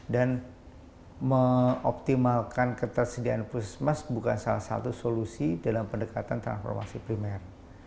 dan mengoptimalkan ketersediaan pusmas bukan salah satu solusi dalam pendekatan transformasi primer